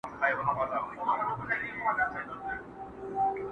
باد وهل کوي.